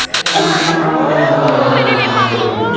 ไม่ได้มีฟังอีกเลย